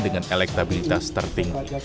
dengan elektabilitas tertinggi